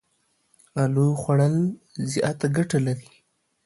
الو خوړ ل زياته ګټه لري.